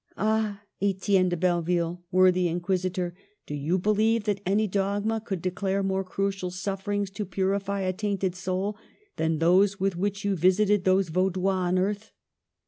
Ah ! Etienne de Belleville, worthy Inquisitor, do you believe that any dogma could declare more crucial sufferings to purify a tainted soul than those with which you visited these Vau dois on earth?